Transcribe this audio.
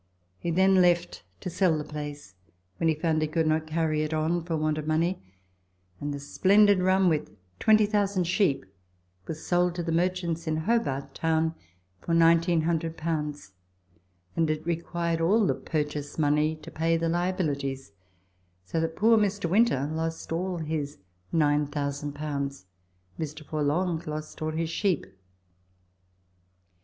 He then left, to sell the place, when he found he could not carry it on for want of money, and the splendid run with 20,000 sheep was sold to the merchants in Hobart Town for 1,900, and it required all the purchase money to pay the liabilities, so that poor Mr. Winter lost all his 9,000. Mr. Forlonge lost all his sheep.